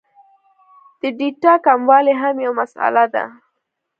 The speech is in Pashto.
د ډېټا کموالی هم یو مسئله ده